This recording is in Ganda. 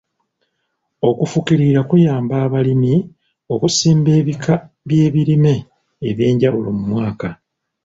Okufukirira kuyamba abalimi okusimba ebika by'ebirime eby'enjawulo mu mwaka.